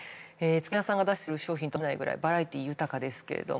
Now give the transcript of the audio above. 漬物屋さんが出してる商品とは思えないくらいバラエティー豊かですけれども。